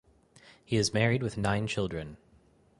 He is married with nine children.